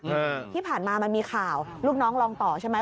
อ่าที่ผ่านมามันมีข่าวลูกน้องลองต่อใช่ไหม